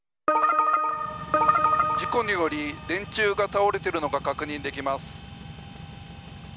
事故により電柱が倒れているのが確認できます。